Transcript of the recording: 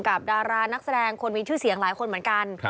ดารานักแสดงคนมีชื่อเสียงหลายคนเหมือนกัน